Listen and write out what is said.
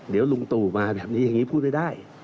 เดี๋ยวลุงตู่มาแบบนี้อย่างนี้พูดไม่ได้